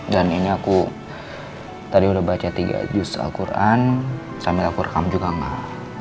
dan ini aku tadi udah baca tiga juz al quran sambil aku rekam juga mbak